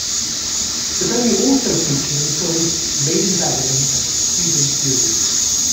The venue also featured in the films "Made in Dagenham" and "Cuban Fury".